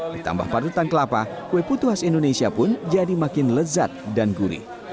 ditambah parutan kelapa kue putu khas indonesia pun jadi makin lezat dan gurih